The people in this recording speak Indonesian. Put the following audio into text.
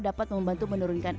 dapat membantu menurunkan